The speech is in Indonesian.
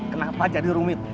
kenapa jadi rumit